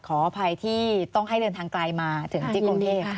ขออภัยที่ต้องให้เดินทางไกลมาถึงที่กรุงเทพ